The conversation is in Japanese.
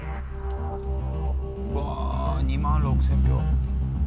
うわ２万６０００票。